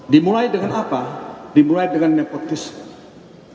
dimulai dengan apa dimulai dengan nepotisme